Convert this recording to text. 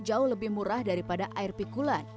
jauh lebih murah daripada air pikulan